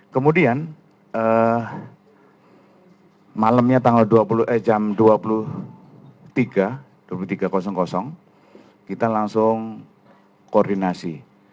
kemudian malamnya jam dua puluh tiga kita langsung koordinasi